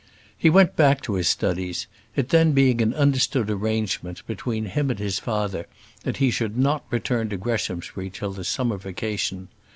He went back to his studies: it then being an understood arrangement between him and his father that he should not return to Greshamsbury till the summer vacation.